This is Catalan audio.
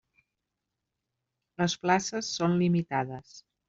Les places són limitades.